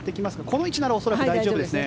この位置なら恐らく大丈夫ですね。